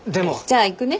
じゃあ行くね。